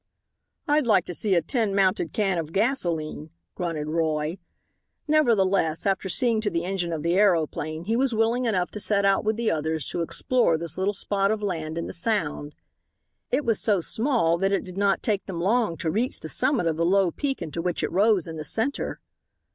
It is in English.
"I'd like to see a tin mounted can of gasolene," grunted Roy. Nevertheless after seeing to the engine of the aeroplane he was willing enough to set out with the others to explore this little spot of land in the Sound. It was so small that it did not take them long to reach the summit of the low peak into which it rose in the centre.